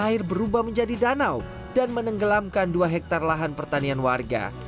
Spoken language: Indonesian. air berubah menjadi danau dan menenggelamkan dua hektare lahan pertanian warga